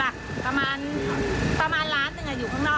ประมาณล้านหนึ่งอยู่ค่างนอก